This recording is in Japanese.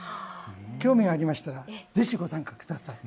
興味がありましたらぜひご参加ください。